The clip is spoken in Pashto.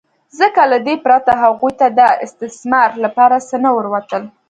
ځکه له دې پرته هغوی ته د استثمار لپاره څه نه ورتلل